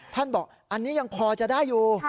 บอกอันนี้ยังพอจะได้อยู่